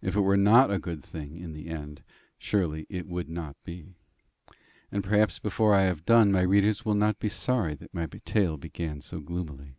If it were not a good thing in the end, surely it would not be; and perhaps before I have done my readers will not be sorry that my tale began so gloomily.